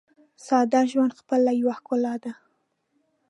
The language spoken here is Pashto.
ساده ژوند خپله یوه ښکلا ده.